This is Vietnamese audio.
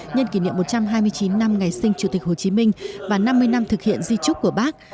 nhân kỷ niệm một trăm hai mươi chín năm ngày sinh chủ tịch hồ chí minh và năm mươi năm thực hiện di trúc của bác